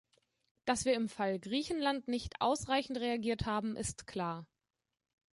Dass wir im Fall Griechenland nicht ausreichend reagiert haben, ist klar.